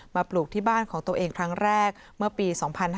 ปลูกที่บ้านของตัวเองครั้งแรกเมื่อปี๒๕๕๙